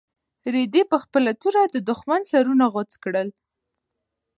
رېدي په خپله توره د دښمن سرونه غوڅ کړل.